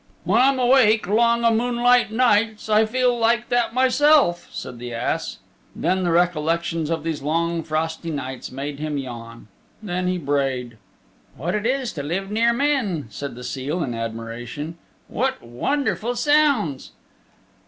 "When I'm awake long o' moonlit nights I feel like that myself," said the ass. Then the recollections of these long, frosty nights made him yawn. Then he brayed. "What it is to live near men," said the seal in admiration. "What wonderful sounds!"